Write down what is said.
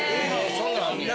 ・そんなんあんねや。